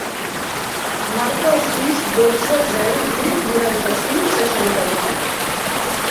Marca el sis, dotze, zero, vuit, noranta-cinc, seixanta-nou.